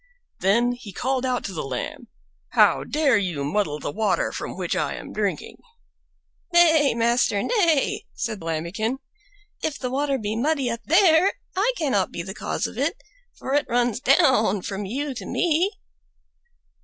Then he called out to the Lamb, "How dare you muddle the water from which I am drinking?" "Nay, master, nay," said Lambikin; "if the water be muddy up there, I cannot be the cause of it, for it runs down from you to me."